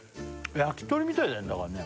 焼き鳥みたいだねだからね